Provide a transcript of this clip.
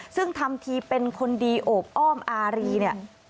ซึ่งทำทีเป็นคนดีโอบอ้อมอารีเนี่ย